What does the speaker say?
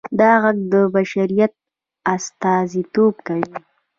دا غږ د بشریت استازیتوب کوي.